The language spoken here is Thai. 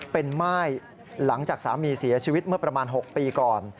เป็นม่ายหลังจากสามีเสียชีวิตเมื่อประมาณ๖ปีก่อน